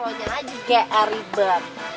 lo nyala juga eriber